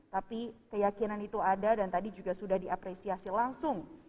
tapi keyakinan itu ada dan tadi juga sudah diapresiasi langsung